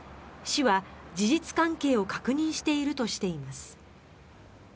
市は事実関係を確認しているとしています。